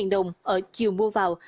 một trăm năm mươi đồng ở chiều mua vào